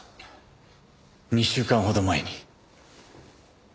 ２週間ほど前に。